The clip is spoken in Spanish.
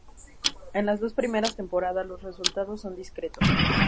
En las dos primeras temporadas los resultados son discretos.